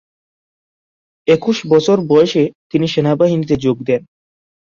একুশ বছর বয়সে তিনি সেনাবাহিনীতে যোগ দেন।